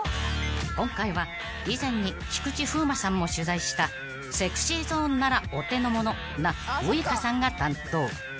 ［今回は以前に菊池風磨さんも取材したＳｅｘｙＺｏｎｅならお手のものなウイカさんが担当］